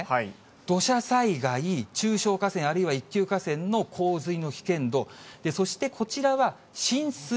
土砂災害、中小河川、あるいは一級河川の洪水の危険度、そしてこちらは浸水。